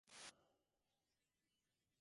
ފަނޑިޔާރު ކަލޭފާނު ބުނުއްވި